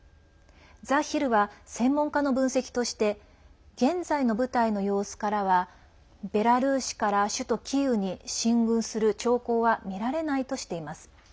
ザ・ヒルは専門家の分析として現在の部隊の様子からはベラルーシから首都キーウに進軍する兆候はみられないとしています。